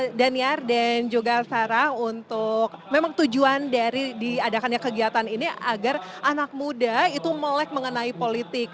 oke baik terima kasih mas yerimia sudah berbagi informasinya dengan kami nah itu tadi daniar dan juga sarah untuk memang tujuan dari diadakannya kegiatan ini agar anak muda itu melek mengenai politik